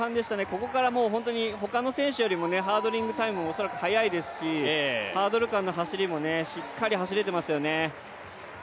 ここから他の選手よりもハードリングタイム恐らく速いですしハードル間もしっかり走れていますよね。